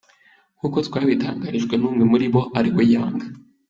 Nk'uko twabitangarijwe numwe muri bo ariwe Young.